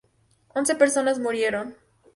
Once personas murieron.